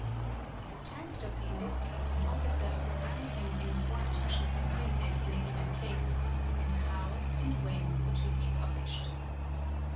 __ The tact of the Investigating Officer will guide him in what should be printed in a given case, and how and when it should be published.